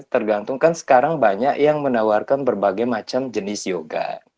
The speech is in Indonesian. tergantung kan sekarang banyak yang menawarkan berbagai macam jenis yoga